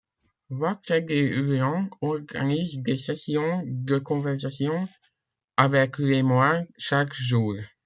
Wat Chedi Luang organise des sessions de conversations avec les moines chaque jour.